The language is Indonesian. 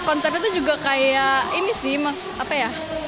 konsepnya tuh juga kayak ini sih